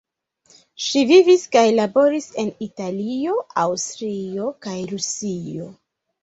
Ŝi vivis kaj laboris en Italio, Aŭstrio, kaj Rusio.